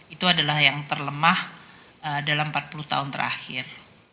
itu adalah yang terlemah dalam empat puluh tahun terakhir